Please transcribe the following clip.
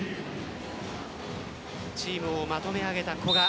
チームをまとめ上げた古賀。